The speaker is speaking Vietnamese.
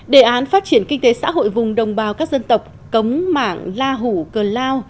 đề án phát triển kinh tế xã hội vùng đồng bào các dân tộc cống mảng la hủ cơ lao